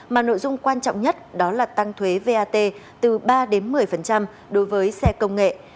mà nội dung quan trọng nhất đó là tăng thuế vat từ ba đến một mươi đối với xe công nghệ